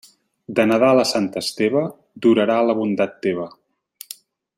De Nadal a Sant Esteve durarà la bondat teva.